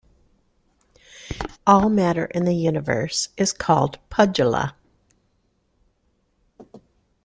All matter in the universe is called Pudgala.